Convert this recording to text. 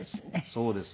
そうですね。